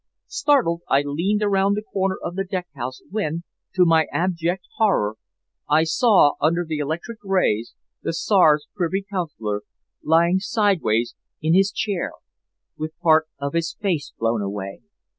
Startled, I leaned around the corner of the deck house, when, to my abject horror, I saw under the electric rays the Czar's Privy Councillor lying sideways in his chair with part of his face blown away.